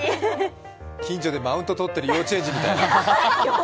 近所でマウントとってる幼稚園児みたい。